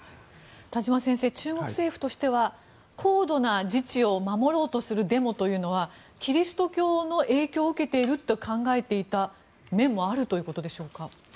田島先生中国政府としては高度な自治を守ろうとするデモというのはキリスト教の影響を受けていると考えていた面もあるということでしょうか？